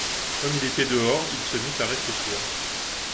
Comme il était dehors, il se mit à réfléchir.